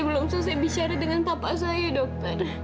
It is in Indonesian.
belum selesai bicara dengan bapak saya dokter